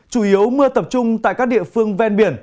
chủ yếu mưa tập trung tại các địa phương ven biển